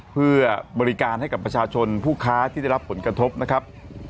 เพื่อบริการให้กับประชาชนผู้ค้าที่ได้รับผลกระทบนะครับ